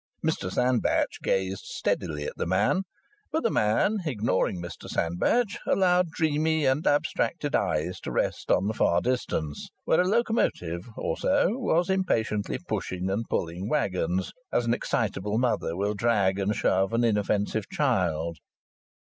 Mr Sandbach gazed steadily at the man, but the man, ignoring Mr Sandbach, allowed dreamy and abstracted eyes to rest on the far distance, where a locomotive or so was impatiently pushing and pulling waggons as an excitable mother will drag and shove an inoffensive child.